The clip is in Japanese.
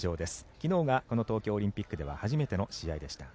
昨日がこの東京オリンピックでは初めての試合でした。